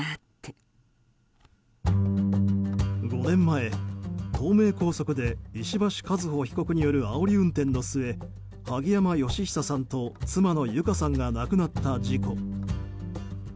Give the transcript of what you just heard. ５年前、東名高速で石橋和歩被告によるあおり運転の末萩山嘉久さんと妻の友香さんが亡くなった事故。